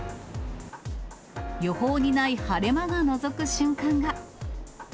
予報にない晴れ間がのぞく瞬間が。